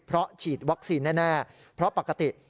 เพราะฉีดวัคซีนแน่เพราะปกติ